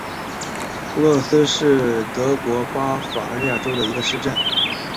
弗洛斯是德国巴伐利亚州的一个市镇。